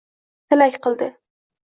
Tilak qildi